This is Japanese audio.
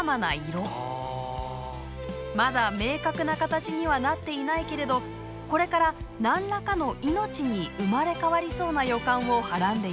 まだ明確な形にはなっていないけれどこれから何らかの命に生まれ変わりそうな予感をはらんでいます。